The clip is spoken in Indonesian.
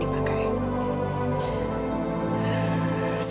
tapi saya juga memakai